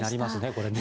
これね。